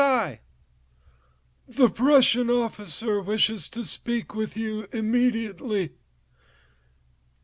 "Mademoiselle, the Prussian officer wishes to speak to you immediately."